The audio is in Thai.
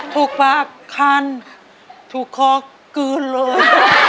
ถูกปากคันถูกคอคืนเลย